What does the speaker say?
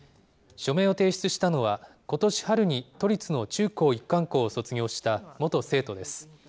署名を提出したのは、ことし春に都立の中高一貫校を卒業した、元生徒です。